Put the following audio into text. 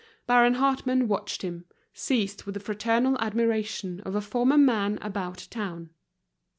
Baron Hartmann watched him, seized with the fraternal admiration of a former man about town.